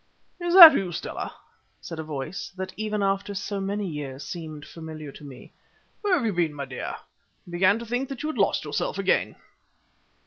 "Is that you, Stella?" said a voice, that even after so many years seemed familiar to me. "Where have you been, my dear? I began to think that you had lost yourself again."